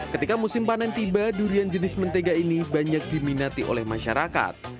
ketika musim panen tiba durian jenis mentega ini banyak diminati oleh masyarakat